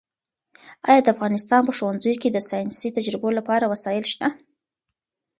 ایا د افغانستان په ښوونځیو کې د ساینسي تجربو لپاره وسایل شته؟